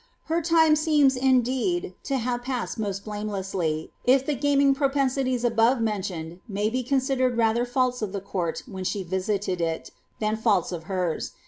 Her time seems, indeed, to have passed most blamelessly, if the gaming pro pensities above mentioned may be considered rather faults of the court when she visited it, than faults of hers.